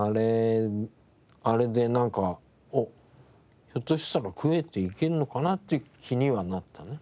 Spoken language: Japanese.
あれでなんかおっひょっとしたら食っていけるのかなって気にはなったね。